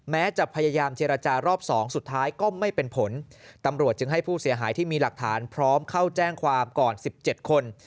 จะพยายามเจรจารอบ๒สุดท้ายก็ไม่เป็นผลตำรวจจึงให้ผู้เสียหายที่มีหลักฐานพร้อมเข้าแจ้งความก่อน๑๗คน